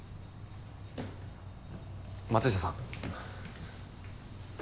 松下さん。